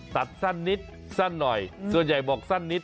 ตัดสั้นนิดสั้นหน่อยส่วนใหญ่บอกสั้นนิด